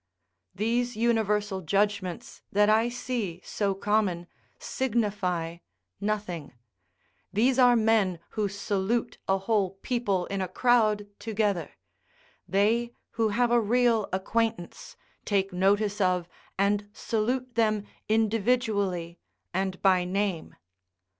These universal judgments that I see so common, signify nothing; these are men who salute a whole people in a crowd together; they, who have a real acquaintance, take notice of and salute them individually and by name.